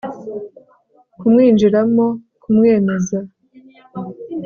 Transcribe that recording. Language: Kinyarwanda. kumwinjiramo, kumwemeza